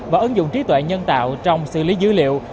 và ứng dụng trí tuệ nhân tạo trong xử lý dữ liệu